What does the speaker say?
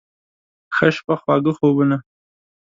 ښه شپه، خواږه خوبونه